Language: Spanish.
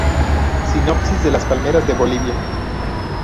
Sinopsis de las palmeras de Bolivia.